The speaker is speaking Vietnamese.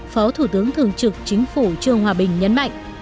phó thủ tướng thường trực chính phủ trương hòa bình nhấn mạnh